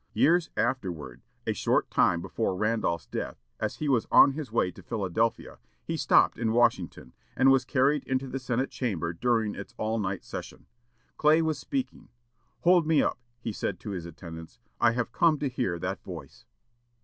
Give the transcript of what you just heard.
Years afterward, a short time before Randolph's death, as he was on his way to Philadelphia, he stopped in Washington, and was carried into the Senate chamber during its all night session. Clay was speaking. "Hold me up," he said to his attendants; "_I have come to hear that voice.